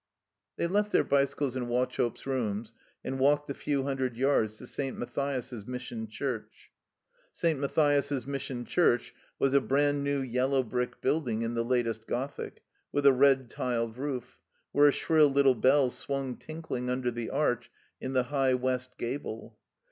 They left their bicycles in Wauchope's rooms, and walked the few htmdred yards to St. Matthias's Mission Church. St. Matthias's Mission Church was a brand new yellow brick building in the latest Gothic, with a red tiled roof, where a shrill little bell swung tinkling under the ardh in the high west gable.